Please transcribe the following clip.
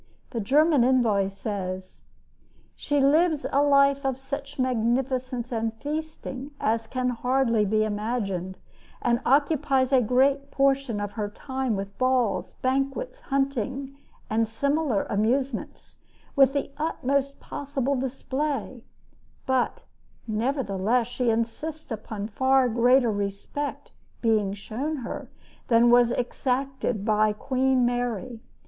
The German envoy says: She lives a life of such magnificence and feasting as can hardly be imagined, and occupies a great portion of her time with balls, banquets, hunting, and similar amusements, with the utmost possible display, but nevertheless she insists upon far greater respect being shown her than was exacted by Queen Mary.